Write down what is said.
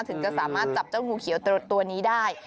ถึงจะสามารถจับเจ้างูเขียวตัวนี้ได้